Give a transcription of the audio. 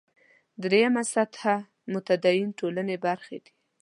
درېیمه سطح متدینې ټولنې برخې دي.